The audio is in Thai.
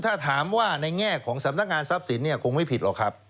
ถ้าถามว่าในแง่ของสำนักงานทรัพย์สินเนี่ยคงไม่ผิดหรอกครับ